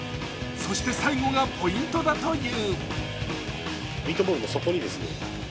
そして最後がポイントだという。